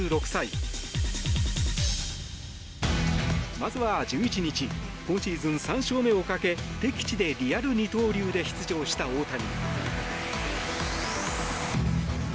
まずは１１日今シーズン３勝目をかけ敵地でリアル二刀流で出場した大谷。